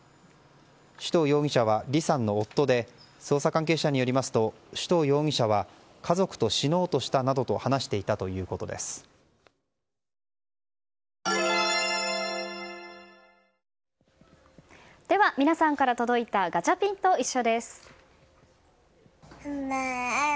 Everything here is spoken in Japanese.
首藤容疑者は、リさんの夫で捜査関係者によりますと首藤容疑者は家族と死のうとしたなどとでは皆さんから届いたガチャピンといっしょ！です。